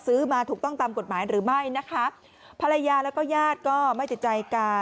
มาถูกต้องตามกฎหมายหรือไม่นะคะภรรยาแล้วก็ญาติก็ไม่ติดใจกา